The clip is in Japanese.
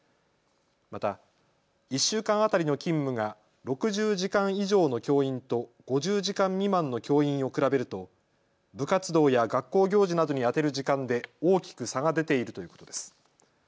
また１週間当たりの勤務が６０時間以上の教員と５０時間未満の教員を比べると部活動や学校行事などに充てる時間で大きく差が出ているということです。